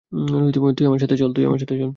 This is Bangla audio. তুই আমার সাথে চল।